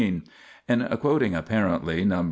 In quoting apparently Numb.